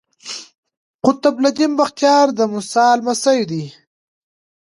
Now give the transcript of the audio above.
قطب الدین بختیار د موسی لمسی دﺉ.